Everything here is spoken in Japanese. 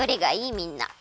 みんな。